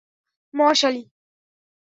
মর, শালি!